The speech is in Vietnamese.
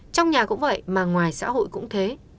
trong nhà cũng vậy mà ngoài xã hội cũng thế